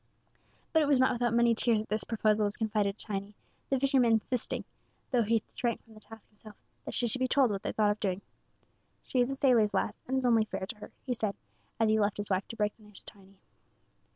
But it was not without many tears that this proposal was confided to Tiny, the fisherman insisting though he shrank from the task himself that she should be told what they thought of doing. "She is a sailor's lass, and it's only fair to her," he said, as he left his wife to break the news to Tiny.